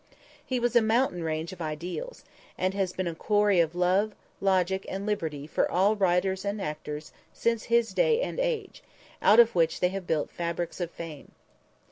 He was a mountain range of ideals, and has been a quarry of love, logic and liberty for all writers and actors since his day and age, out of which they have built fabrics of fame.